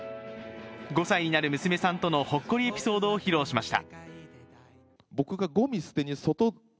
５歳になる娘さんとのほっこりエピソードを披露しました。